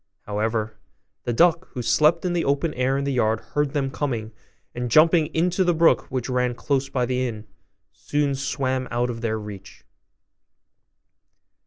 However, the duck, who slept in the open air in the yard, heard them coming, and jumping into the brook which ran close by the inn, soon swam out of their reach.